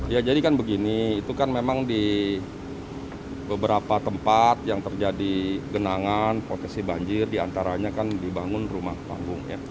ya jadi kan begini itu kan memang di beberapa tempat yang terjadi genangan potensi banjir diantaranya kan dibangun rumah panggung